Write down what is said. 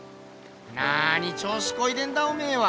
なあに調子こいてんだおめえは。